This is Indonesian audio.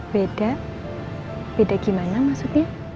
beda beda gimana maksudnya